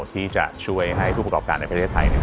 ที่จะช่วยให้ผู้ประกอบการในประเทศไทย